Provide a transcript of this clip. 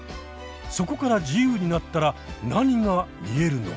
そこから自由になったら何が見えるのか。